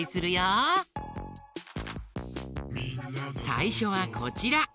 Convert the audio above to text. さいしょはこちら。